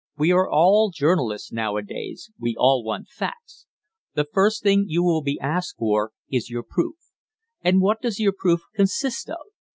We are all journalists nowadays we all want facts. The first thing you will be asked for is your proof. And what does your proof consist of?